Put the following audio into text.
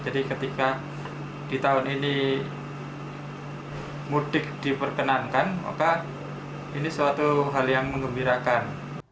jadi ketika di tahun ini mudik diperkenankan maka ini suatu hal yang mengembirakan